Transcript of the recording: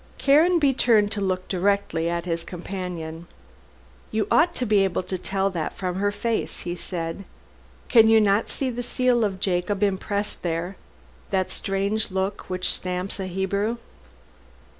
Caranby turned to look directly at his companion. "You ought to be able to tell that from her face," he said, "can you not see the seal of Jacob impressed there that strange look which stamps a Hebrew?"